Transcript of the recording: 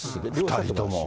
２人とも。